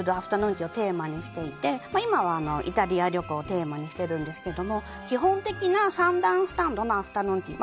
ティーをテーマにしていて今は、イタリア旅行をテーマにしていますが基本的な３段スタンドのアフタヌーンティー。